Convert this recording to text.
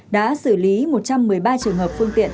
đã xử lý một trăm một mươi ba trường hợp phương tiện